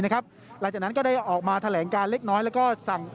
หลังจากนั้นก็ได้ออกมาแถลงการเล็กน้อยแล้วก็สั่ง